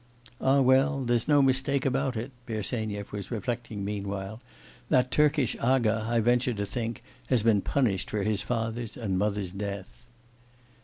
'Ah, well, there's no mistake about it,' Bersenyev was reflecting meanwhile, 'that Turkish aga, I venture to think, has been punished for his father's and mother's death.